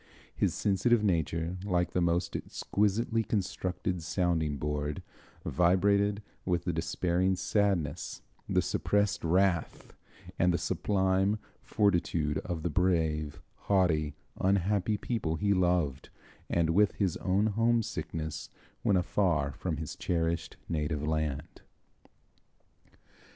His sensitive nature, like the most exquisitely constructed sounding board, vibrated with the despairing sadness, the suppressed wrath, and the sublime fortitude of the brave, haughty, unhappy people he loved, and with his own homesickness when afar from his cherished native land.